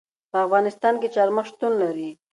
په افغانستان کې چار مغز شتون لري.